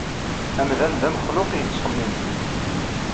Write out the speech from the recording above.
Amdan d amexluq yettxemmimen.